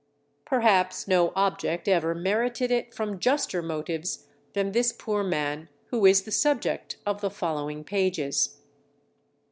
Perhaps no object ever merited it from juster motives than this poor man, who is the subject of the following pages.